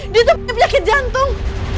ditempatnya penyakit jantung